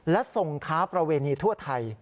และส่งค้าประเวณีทั่วไทย